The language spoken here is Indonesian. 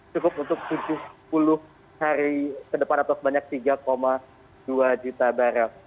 cukup untuk tujuh sepuluh hari ke depan atau sebanyak tiga dua juta barrel